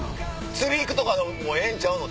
釣り行くとかもええんちゃうの？